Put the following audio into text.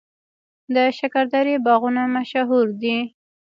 د شکردرې باغونه مشهور دي